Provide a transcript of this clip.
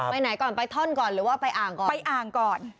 ไปไหนก่อนไปท่อนก่อนหรือว่าไปอ่างก่อนไปอ่างก่อน